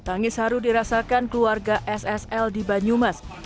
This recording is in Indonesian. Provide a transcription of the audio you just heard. tangis haru dirasakan keluarga ssl di banyumas